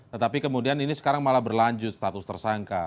tetapi kemudian ini sekarang malah berlanjut status tersangka